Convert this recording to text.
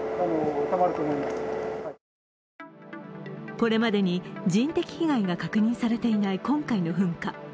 これまでに人的被害が確認されていない今回の噴火。